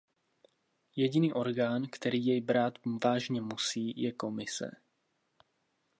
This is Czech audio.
Jediný orgán, který jej brát vážně musí, je Komise.